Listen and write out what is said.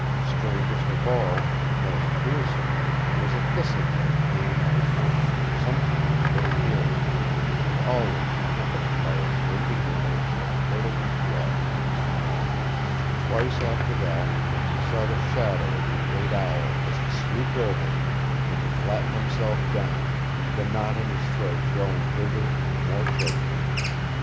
Strangest of all, and most fearsome, was a hissing that came and went, sometimes very near to him, and always accompanied by a grating noise that curdled his blood. Twice after that he saw the shadow of the great owl as it swooped over him, and he flattened himself down, the knot in his throat growing bigger and more choking.